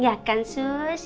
ya kan sus